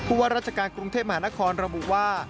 ว่าราชการกรุงเทพมหานครระบุว่า